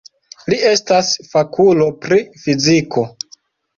Li estas fakulo pri fiziko.